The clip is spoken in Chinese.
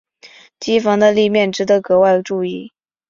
机房的立面值得格外注意。